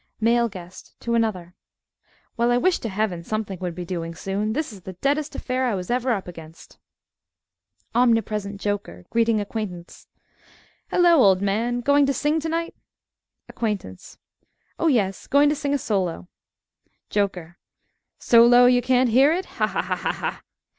_) MALE GUEST (to another) Well, I wish to heaven, something would be doing soon. This is the deadest affair I was ever up against. OMNIPRESENT JOKER (greeting acquaintance) Hello, old man! going to sing to night? ACQUAINTANCE Oh, yes, going to sing a solo. JOKER So low you can't hear it? Ha, ha!